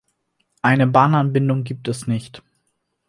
Eine Bahnanbindung gibt es nicht.